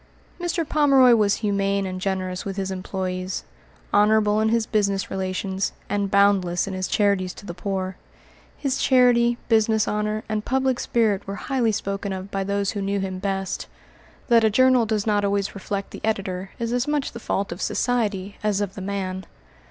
Mr. Pomeroy was humane and generous with his employés, honorable in his business relations, and boundless in his charities to the poor. His charity, business honor, and public spirit were highly spoken of by those who knew him best. That a journal does not always reflect the editor is as much the fault of society as of the man.